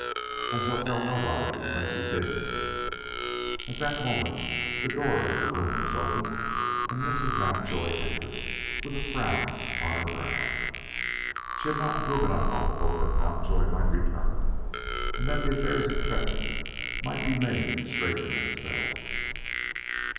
"I shall tell nobody unless you bid me." At that moment the door of the room was opened, and Mrs. Mountjoy entered, with a frown upon her brow. She had not yet given up all hope that Mountjoy might return, and that the affairs of Tretton might be made to straighten themselves.